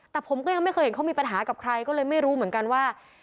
แต่ผมก็ยังไม่เคยเห็นเขามีปัญหากับใครก็เลยไม่รู้เหมือนกันว่า